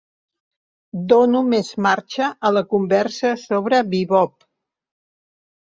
Dono més marxa a la conversa sobre bibop.